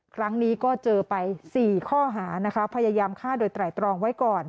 ครั้งนี้ก็เจอไป๔ข้อหานะคะพยายามฆ่าโดยไตรตรองไว้ก่อน